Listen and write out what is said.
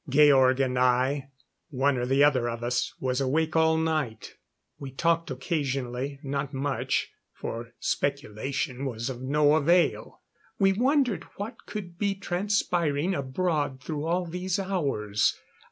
Georg and I one or the other of us was awake all night. We talked occasionally not much, for speculation was of no avail. We wondered what could be transpiring abroad through all these hours.